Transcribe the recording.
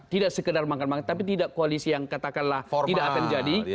tidak sekedar makan makan tapi tidak koalisi yang katakanlah tidak akan jadi